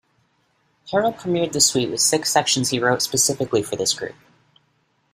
Harrell premiered the suite with six sections he wrote specifically for this group.